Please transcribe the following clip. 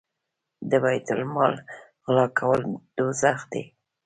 د بیت المال غلا کول دوزخ دی.